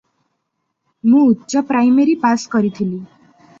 ମୁଁ ଉଚ୍ଚପ୍ରାଇମେରି ପାଶ୍ କରିଥିଲି ।"